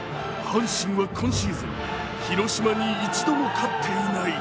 阪神は今シーズン、広島に一度も勝っていない。